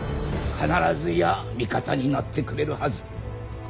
必ずや味方になってくれるはず。